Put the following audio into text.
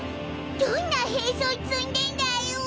どんな兵装積んでんだよ。